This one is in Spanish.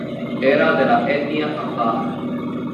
Era de la etnia afar.